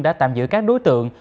đã tạm giữ các đối tượng